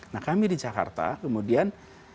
nah kami di jakarta kemudian